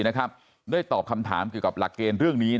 ได้ตอบคำถามเรื่องรักเกณฑ์เกี่ยวกับรักเกณฑ์เรื่องนี้